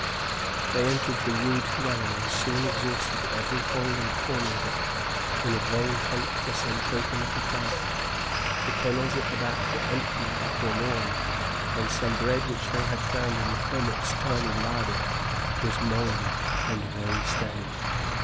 They entered the rude dwelling and soon exhausted every hole and corner of it in a vain hunt for some token of the clerk. The kennels at the back were empty and forlorn; and some bread which they found in the hermit's tiny larder was mouldy and very stale.